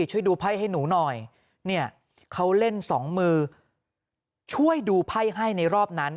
ช่วยดูไพ่ให้หนูหน่อยเนี่ยเขาเล่นสองมือช่วยดูไพ่ให้ในรอบนั้น